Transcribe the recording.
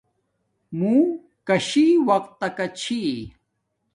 موں کشی وقت تکا چھی